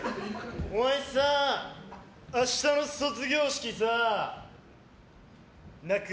お前さ、明日の卒業式さ泣く？